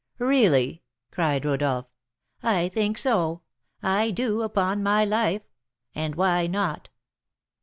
"Really!" cried Rodolph. "I think so, I do, upon my life. And why not?